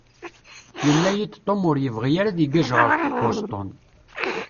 Yenna-iyi-d Tom ur yebɣi ara ad igaj ɣer Boston.